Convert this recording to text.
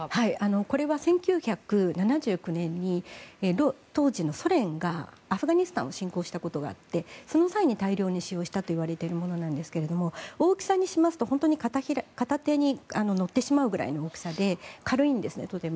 これは１９７９年に当時のソ連がアフガニスタンを侵攻したことがあってその際に大量に使用したと言われているものなんですが大きさにしますと、本当に片手に乗ってしまうくらいの大きさで軽いんですね、とても。